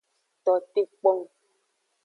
Tote kpong.